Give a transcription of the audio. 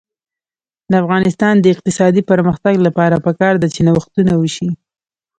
د افغانستان د اقتصادي پرمختګ لپاره پکار ده چې نوښتونه وشي.